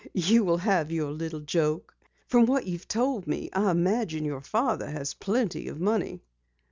"You will have your little joke. From what you've told me, I imagine your father has plenty of money."